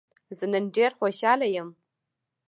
زه نن ډېر خوشحاله يم.